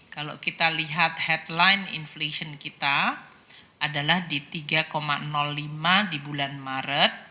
kalau kita lihat headline inflation kita adalah di tiga lima di bulan maret